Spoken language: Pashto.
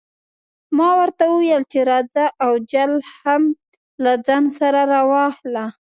ما ورته وویل چې راځه او جال هم له ځان سره راواخله.